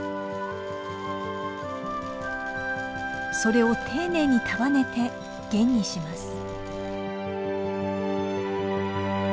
それを丁寧に束ねて弦にします。